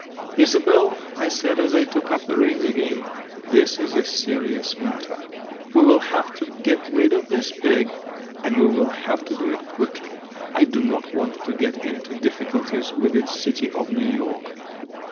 "Isobel," I said, as I took up the reins again, "this is a serious matter. We will have to get rid of this pig, and we will have to do it quickly. I do not want to get into difficulties with the City of New York.